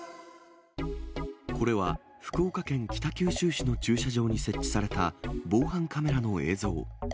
これは福岡県北九州市の駐車場に設置された防犯カメラの映像。